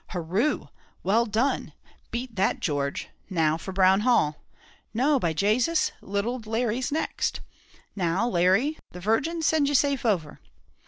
"Hurroo! well done! beat that George now for Brown Hall; no, by Jasus, little Larry's next, now, Larry, the Virgin send you safe over!"